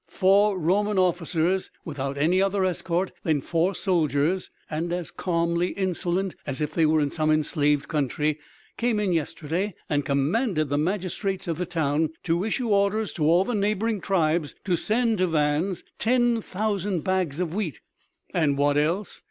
"Four Roman officers, without any other escort than four soldiers and as calmly insolent as if they were in some enslaved country, came in yesterday and commanded the magistrates of the town to issue orders to all the neighboring tribes to send to Vannes ten thousand bags of wheat " "And what else?"